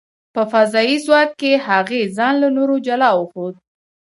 په فضايي ځواک کې، هغې ځان له نورو جلا وښود .